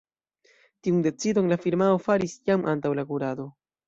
Tiun decidon la firmao faris jam antaŭ la kurado.